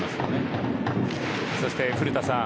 そして古田さん